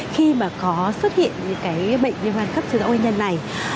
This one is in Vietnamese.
khi mà có xuất hiện những cái bệnh viêm gan cấp trường tạo nguyên nhân này